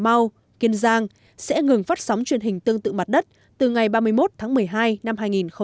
bộ bao kiên giang sẽ ngừng phát sóng truyền hình tương tự mặt đất từ ngày ba mươi một tháng một mươi hai năm hai nghìn một mươi bảy